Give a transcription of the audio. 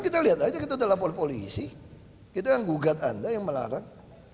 kita lihat aja kita udah lapor polisi kita yang gugat anda yang melarang